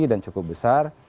dan cukup besar